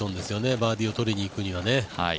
バーディをとりにいくにはね。